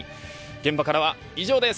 現場からは以上です。